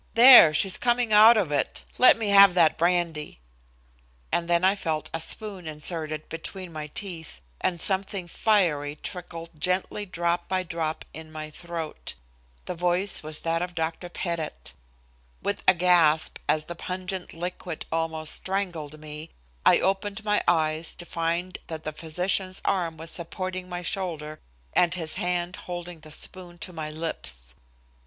"There, she's coming out of it. Let me have that brandy," and then I felt a spoon inserted between my teeth and something fiery trickled gently drop by drop in my throat. The voice was that of Dr. Pettit. With a gasp as the pungent liquid almost strangled me, I opened my eyes to find that the physician's arm was supporting my shoulder and his hand holding the spoon to my lips.